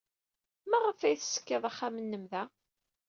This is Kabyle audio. Maɣef ay teṣkid axxam-nnem da?